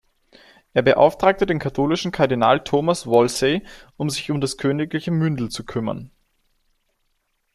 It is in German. Er beauftragte den katholischen Kardinal Thomas Wolsey, sich um das königliche Mündel zu kümmern.